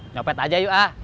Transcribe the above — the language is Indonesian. nyopet aja yuk ah